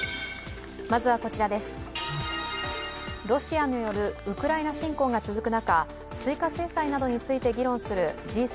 ロシアによるウクライナ侵攻が続く中、追加制裁などについて議論する